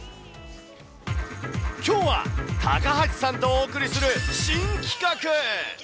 きょうは高橋さんとお送りする新企画。